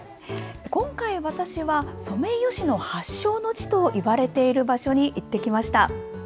今回、私はソメイヨシノ発祥の地といわれている場所に行ってきました。